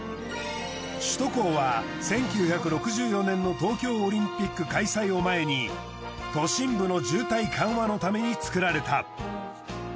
首都高は１９６４年の東京オリンピック開催を前に都心部の渋滞緩和のために造られた。